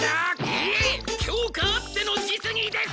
いえ教科あっての実技です！